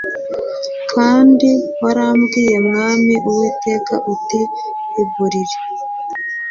kandi warambwiye mwami uwiteka uti igurire